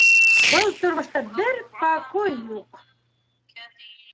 - Был тормошта бер покой юҡ...